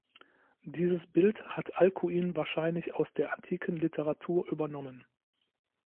Dieses Bild hat Alkuin wahrscheinlich aus der antiken Literatur übernommen.